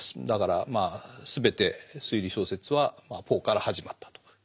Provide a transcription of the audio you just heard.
だからまあ全て推理小説はポーから始まったと。